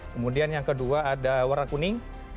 kemudian yang kedua ada warna kuning